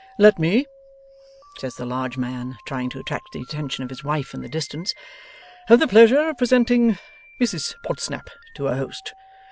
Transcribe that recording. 'Let me,' says the large man, trying to attract the attention of his wife in the distance, 'have the pleasure of presenting Mrs Podsnap to her host.